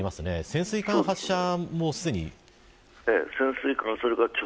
潜水艦発射もですかね。